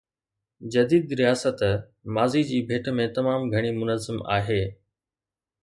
جديد رياست ماضي جي ڀيٽ ۾ تمام گهڻي منظم آهي.